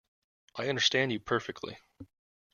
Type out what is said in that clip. I understand you perfectly.